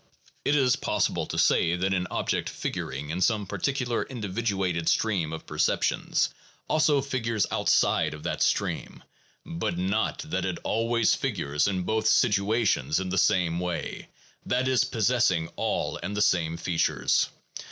It is possible to say that an object figuring in some particular individuated stream of perceptions also figures outside of that stream, but not that it always figures in both situations in the same way, that is, possessing all and the same features.